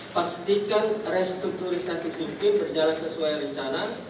pastikan restrukturisasi sistem berjalan sesuai rencana